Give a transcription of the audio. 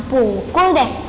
bisa aku pukul deh